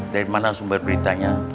dari mana sumber beritanya